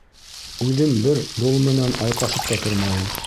Үҙем бер дол менән айҡашып та тормайым.